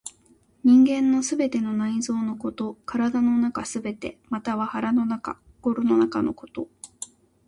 人間の全ての内臓のこと、体の中すべて、または腹の中、心の中のこと。